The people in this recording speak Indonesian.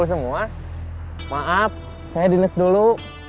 semua maaf saya dinas dulu